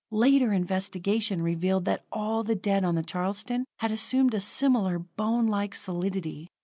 Later investigation revealed that all the dead on the Charleston had assumed a similar, bonelike solidity.